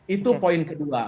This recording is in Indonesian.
itu poin kedua